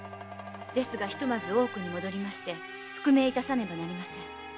ですがひとまず大奥に戻りまして復命いたさねばなりません。